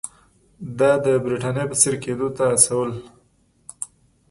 دا د برېټانیا په څېر کېدو ته هڅول.